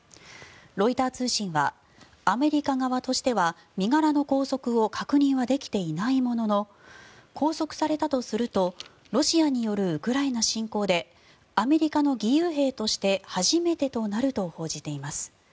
ロイター通信はアメリカ側としては身柄の拘束を確認はできていないものの拘束されたとするとロシアによるウクライナ侵攻でアメリカの義勇兵として初めてとなると報じています。